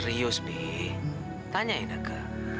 serius ben tanya inaka